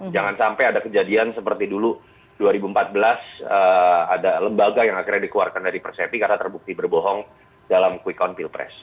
jangan sampai ada kejadian seperti dulu dua ribu empat belas ada lembaga yang akhirnya dikeluarkan dari persepi karena terbukti berbohong dalam quick count pilpres